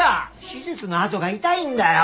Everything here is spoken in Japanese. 手術の痕が痛いんだよ！